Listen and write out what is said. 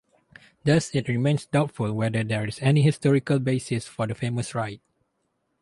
Thus, it remains doubtful whether there is any historical basis for the famous ride.